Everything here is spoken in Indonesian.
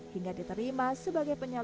hingga diterima sebagai penyelamat